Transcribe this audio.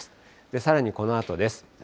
さらにこのあとです。